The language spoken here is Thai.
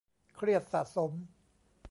เครียดสะสม